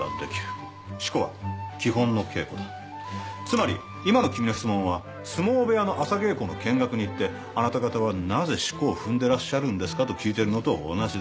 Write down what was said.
つまり今の君の質問は相撲部屋の朝稽古の見学に行ってあなた方はなぜ四股を踏んでらっしゃるんですかと聞いてるのと同じだ。